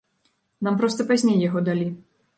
Нам проста пазней яго далі.